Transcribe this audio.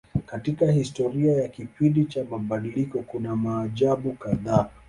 Katika historia ya kipindi cha mabadiliko kuna maajabu kadhaa.